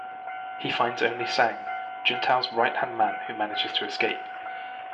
He finds only Sang, Juntao's right-hand man, who manages to escape.